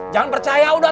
jangan percaya udah